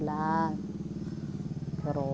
sudah begitu berhasil